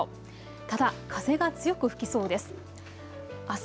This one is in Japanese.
ただ風が強く吹きそうです。